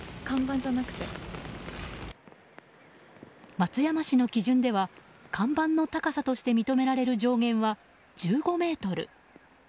松山市の基準では看板の高さとして認められる上限は１５ｍ。